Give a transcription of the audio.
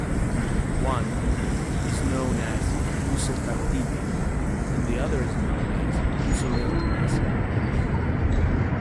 One is known as ghusl tartibi, and the other is known as ghusl irtimasi.